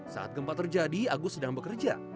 saat gempa terjadi agus sedang bekerja